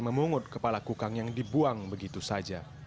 memungut kepala kukang yang dibuang begitu saja